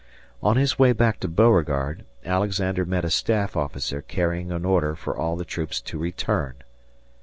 On his way back to Beauregard, Alexander met a staff officer carrying an order for all the troops to return.